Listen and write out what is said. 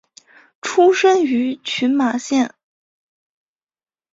出身于群马县。